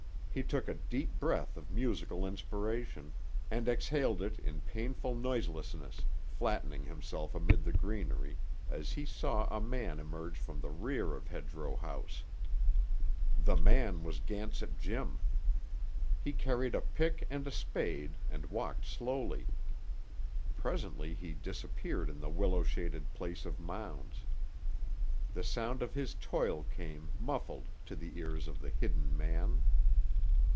He took a deep breath of musical inspiration—and exhaled it in painful noiselessness, flattening himself amid the greenery, as he saw a man emerge from the rear of Hedgerow House. The man was Gansett Jim. He carried a pick and a spade and walked slowly. Presently he disappeared in the willow shaded place of mounds. The sound of his toil came, muffled, to the ears of the hidden man.